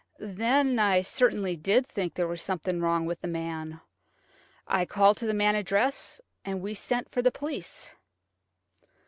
Then I certainly did think there was something wrong with the man. I called to the manageress, and we sent for the police."